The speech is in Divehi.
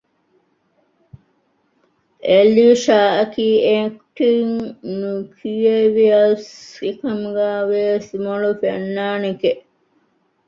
އެލީޝާ އަކީ އެކްޓިން ނުކިޔެވިޔަސް އެކަމުގައިވެސް މޮޅު ފަންނާނެއް